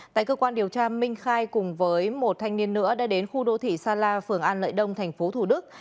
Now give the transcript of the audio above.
tại cơ quan điều tra minh khai cùng với một thanh niên nữa đã đến khu đô thị sa la phường an lợi đông tp thủ đức